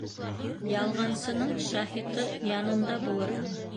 Ялғансының шаһиты янында булыр.